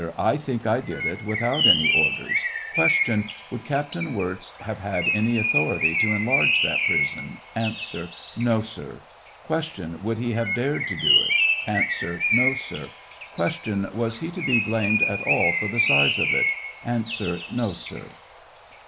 I think I did it without any orders. Q. Would Captain Wirz have had any authority to enlarge that prison 1 A. No, sir. Q. Would he have dared to do it ? A. No, sir. Q. Was he to he blamed at all for the size of it ? A. No, sir.